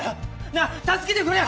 なあ助けてくれよ！